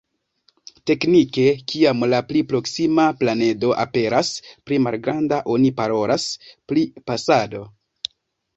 Teknike, kiam la pli proksima planedo aperas pli malgranda oni parolas pri pasado.